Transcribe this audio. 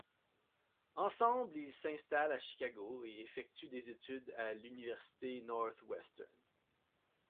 Ensemble, ils s'installent à Chicago, et effectuent des études à l'Université Northwestern.